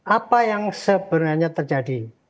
apa yang sebenarnya terjadi